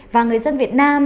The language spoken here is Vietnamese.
và người dân việt nam